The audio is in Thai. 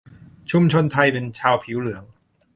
ชนชาติไทย เป็นชาวผิวเหลือง